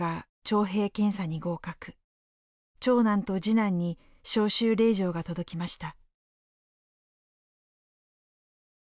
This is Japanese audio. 長男と次男に召集令状が届きました。